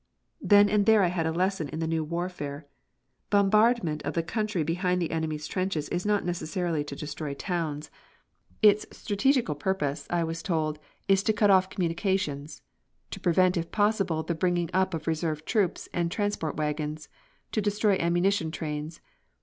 Then and there I had a lesson in the new warfare. Bombardment of the country behind the enemy's trenches is not necessarily to destroy towns. Its strategical purpose, I was told, is to cut off communications, to prevent, if possible, the bringing up of reserve troops and transport wagons, to destroy ammunition trains.